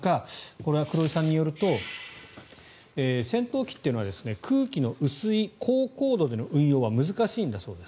これは黒井さんによると戦闘機というのは空気の薄い高高度での運用は難しいんだそうです。